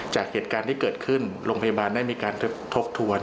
จากเหตุการณ์ที่เกิดขึ้นโรงพยาบาลได้มีการทบทวน